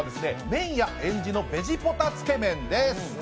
麺屋えん寺のベジポタつけ麺です